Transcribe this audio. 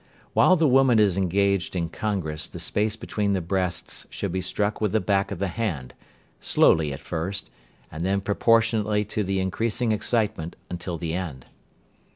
While the woman is engaged in congress the space between the breasts should be struck with the back of the hand, slowly at first, and then proportionately to the increasing excitement, until the end.